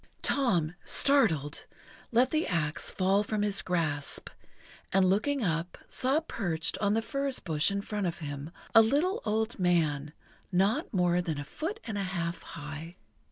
Tom, startled, let the axe fall from his grasp, and, looking up, saw perched on the furze bush in front of him a little old man, not more than a foot and a half high.